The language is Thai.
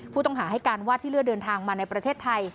ผู้ต้องหาให้การว่าที่เลือดเดินทางมาในประเทศไทย